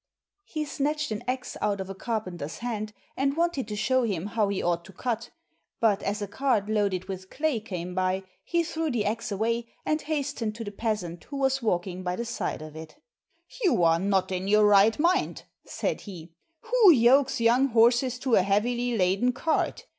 He snatched an axe out of a carpenter's hand and wanted to show him how he ought to cut; but as a cart loaded with clay came by, he threw the axe away, and hastened to the peasant who was walking by the side of it: "You are not in your right mind," said he, "who yokes young horses to a heavily laden cart?